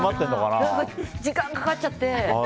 時間かかっちゃって。